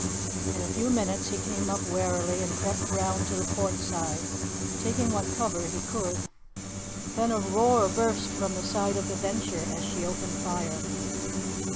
In a few minutes he came up warily and crept round to the port side, taking what cover he could. Then a roar burst from the side of the Venture as she opened fire.